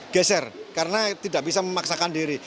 geser karena tidak bisa memaksakan diri